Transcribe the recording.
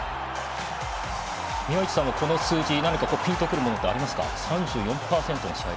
宮市さんも、この数字何かピンとくるものありますか？